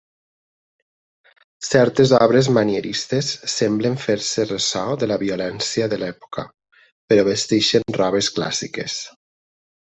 Certes obres manieristes semblen fer-se ressò de la violència de l'època, però vesteixen robes clàssiques.